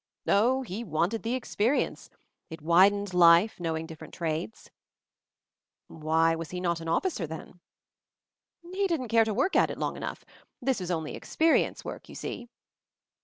Oh, he wanted the experience — it widened life, knowing different trades. Why was he not an officer then? He didn't care to work at it long enough — this was only experience work, you see.